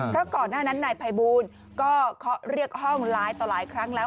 เพราะก่อนหน้านั้นในภายบูรณ์ก็เรียกห้องล้ายต่อหลายครั้งแล้ว